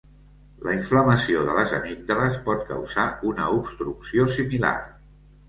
La inflamació de les amígdales pot causar una obstrucció similar.